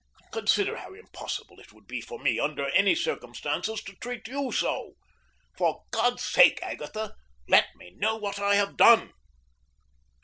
Consider how impossible it would be for me, under any circumstances, to treat you so. For God's sake, Agatha, let me know what I have done!"